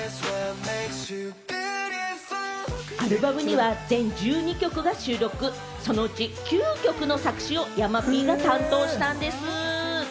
アルバムには全１２曲が収録、そのうち９曲の作詞を山Ｐが担当したんですぅ。